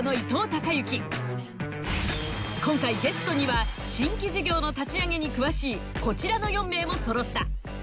今回ゲストには新規事業の立ち上げに詳しいこちらの４名も揃った。